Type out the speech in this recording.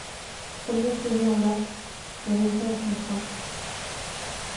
Premier cloné en masse, les raisons en sont simples.